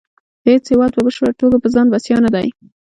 هیڅ هیواد په بشپړه توګه په ځان بسیا نه دی